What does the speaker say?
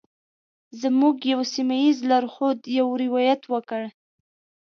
زموږ یوه سیمه ایز لارښود یو روایت وکړ.